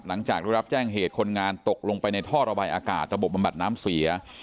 หลังจากได้รับแจ้งเหตุคนงานตกลงไปในท่อระบายอากาศระบบบำบัดน้ำเสีย